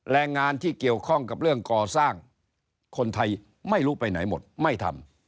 แรงงานที่เกี่ยวข้องกับเรื่องก่อสร้างคนไทยไม่รู้ไปไหนหมดไม่ทำ